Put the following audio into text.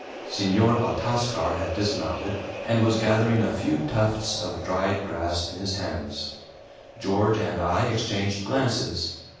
Senor Altascar had dismounted and was gathering a few tufts of dried grass in his hands. George and I exchanged glances.